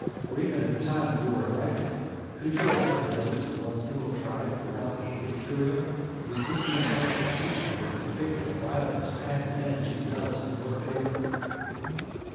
or even at the time when you were elected, could you have got the votes of one single tribe without the aid of Curio? whose intimate friends even were convicted of violence for having been too zealous in your favour.